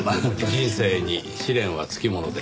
人生に試練は付きものですよ。